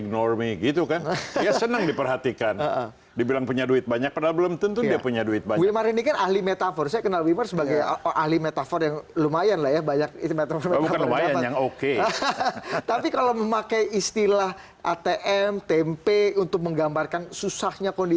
jokowi dan sandi